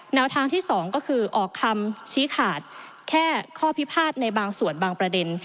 แนวทางที่๒ก็คือออกคำชี้ขาดแค่ข้อพิพาทในบางส่วนบางประเด็น